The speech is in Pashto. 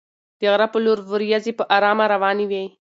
د غره په لور ورېځې په ارامه روانې وې.